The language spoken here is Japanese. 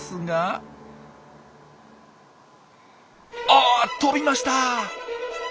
あっ飛びました！